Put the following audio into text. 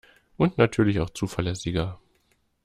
Und natürlich auch zuverlässiger.